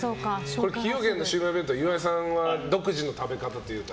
崎陽軒のシウマイ弁当岩井さんは独自の食べ方というか。